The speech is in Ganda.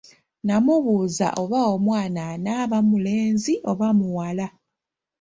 Namubuza oba omwana anaba mulenzi oba muwala?